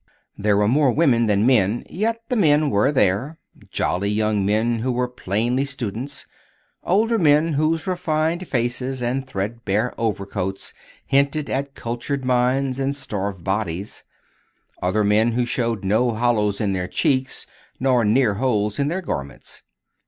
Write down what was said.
There were more women than men, yet the men were there: jolly young men who were plainly students; older men whose refined faces and threadbare overcoats hinted at cultured minds and starved bodies; other men who showed no hollows in their cheeks nor near holes in their garments.